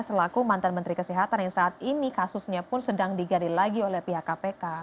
selaku mantan menteri kesehatan yang saat ini kasusnya pun sedang digali lagi oleh pihak kpk